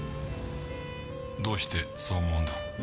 どうしてそう思うんだ？